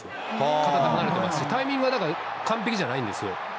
片手放れてますし、タイミングはだから完璧じゃないんですよ。